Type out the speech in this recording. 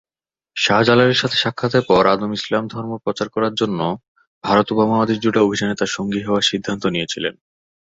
শাহ জালালের সাথে সাক্ষাতের পর আদম ইসলাম ধর্ম প্রচার করার জন্য ভারত উপমহাদেশ জুড়ে অভিযানে তার সঙ্গী হওয়ার সিদ্ধান্ত নিয়েছিলেন।